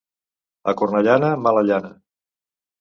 A Cornellana, mala llana.